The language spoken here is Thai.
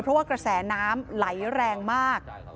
เพราะว่ากระแสน้ำไหลแรงมาก